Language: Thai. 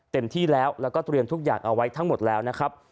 เต็มที่แล้วแล้วก็เตรียมทุกอย่างเอาไว้ทั้งหมดแล้วนะครับ